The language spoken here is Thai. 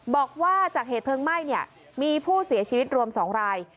บอกว่าจากเหตุเพลิงไหม้มีผู้เสียชีวิตรวม๒ราย